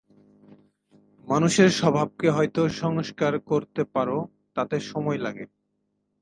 মানুষের স্বভাবকে হয়তো সংস্কার করতে পার, তাতে সময় লাগে।